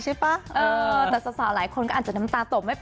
เจ้าหุ่นกับเจ้าสมูอร์ด